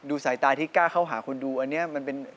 สายตาที่กล้าเข้าหาคนดูอันนี้มันเป็น